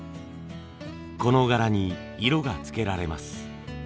この柄に色がつけられます。